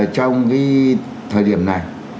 trong thời điểm này